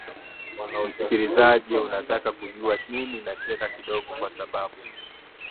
msikilizaji unataka kujua nini nacheka kidogo kwa sababu